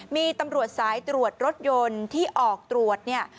มีตำรวจสายตรวจรถยนต์ที่ออกตรวจเนี่ย